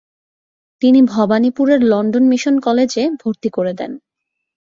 তিনি ভবানীপুরের London mission কলেজে ভর্তি করে দেন।